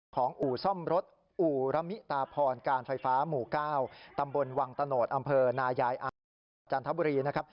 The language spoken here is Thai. อู่ซ่อมรถอู่ระมิตาพรการไฟฟ้าหมู่๙ตำบลวังตะโนธอำเภอนายายอาหารจังหวัดจันทบุรีนะครับ